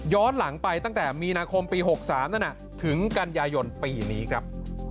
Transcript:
หลังไปตั้งแต่มีนาคมปี๖๓นั่นถึงกันยายนปีนี้ครับ